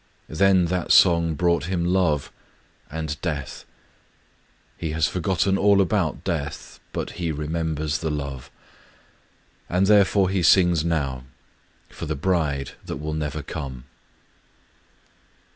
Then that song brought him love — and death. He has forgotten all about death ; but he remem bers the love. And therefore he sings now — for the bride that will never come.